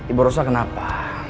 ibu rosa kenapa